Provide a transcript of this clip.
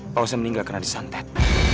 pak hussein meninggal karena disantet